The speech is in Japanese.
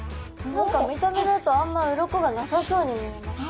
何か見た目だとあんま鱗がなさそうに見えますね。